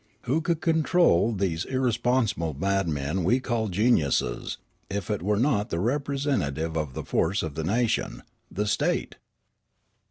Who could control these irre sponsible madmen we call geniuses if it were not the representative of the force of the nation — the state